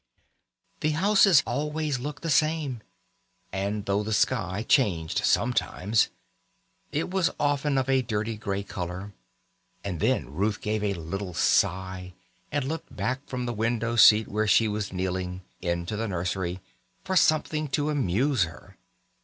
The houses always looked the same, and though the sky changed sometimes, it was often of a dirty grey colour, and then Ruth gave a little sigh and looked back from the window seat where she was kneeling, into the nursery, for something to amuse her.